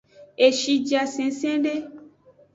Eshie ja sengsengde.